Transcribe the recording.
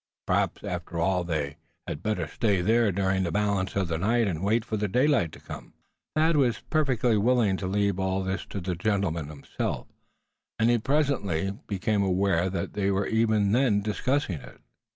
Perhaps, after all, they had better stay there during the balance of the night, and wait for daylight to come. Thad was perfectly willing to leave all this to the gentleman himself; and presently he became aware that they were even then discussing it.